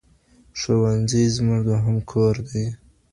ښوونځی زموږ دوهم کور دئ.